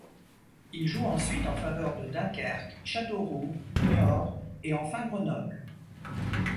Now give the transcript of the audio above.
Il joue ensuite en faveur de Dunkerque, Châteauroux, Niort et enfin Grenoble.